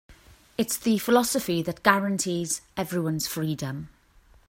It's the philosophy that guarantees everyone's freedom.